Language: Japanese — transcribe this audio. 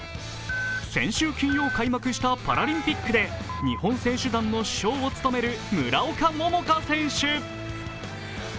先週金曜、開幕したパラリンピックで日本選手団の主将を務める村岡桃佳選手。